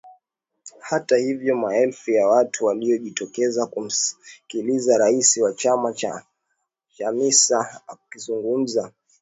Hata hivyo maelfu ya watu waliojitokeza kumsikiliza rais wa chama Chamisa akizungumza